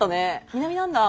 南なんだ。